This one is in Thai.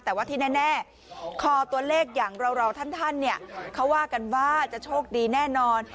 แต่ว่าที่แน่คอตัวเลขอย่างเราท่านเนี่ยเขาว่ากันว่าจะโชคดีแน่นอน